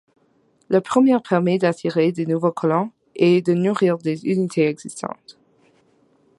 La première permet d’attirer de nouveaux colons et de nourrir les unités existantes.